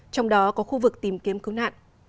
trong đó có khu vực tìm kiếm cứu nạn